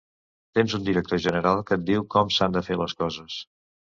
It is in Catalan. Tens un director general que et diu com s’han de fer les coses.